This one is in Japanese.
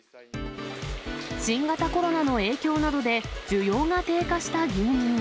新型コロナの影響などで、需要が低下した牛乳。